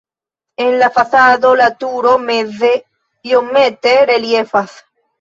En la fasado la turo meze iomete reliefas.